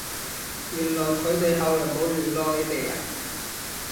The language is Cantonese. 原來佢哋後來冇聯絡你哋呀？